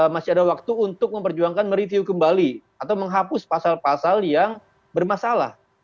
masih ada waktu untuk memperjuangkan mereview kembali atau menghapus pasal pasal yang bermasalah